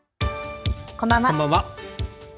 こんばんは。